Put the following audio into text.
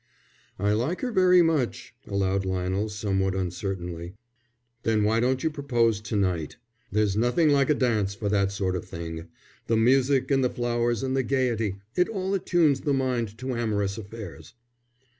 "I like her very much," allowed Lionel, somewhat uncertainly. "Then why don't you propose to night? There's nothing like a dance for that sort of thing. The music and the flowers and the gaiety it all attunes the mind to amorous affairs."